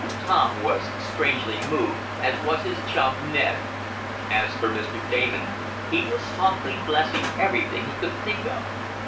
Tom was strangely moved, as was his chum Ned. As for Mr. Damon, he was softly blessing every thing he could think of.